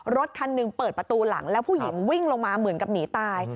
รถคันหนึ่งเปิดประตูหลังแล้วผู้หญิงวิ่งลงมาเหมือนกับหนีตาย